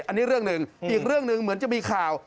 อันนี้เรื่องหนึ่งอีกเรื่องหนึ่งเหมือนจะมีข่าว